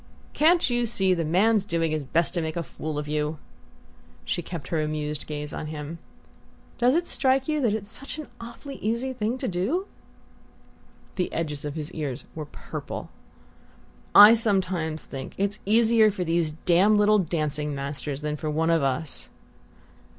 "Can't you see the man's doing his best to make a fool of you?" She kept her amused gaze on him. "Does it strike you that it's such an awfully easy thing to do?" The edges of his ears were purple. "I sometimes think it's easier for these damned little dancing masters than for one of us."